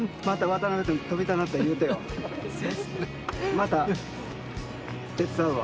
また手伝うわ。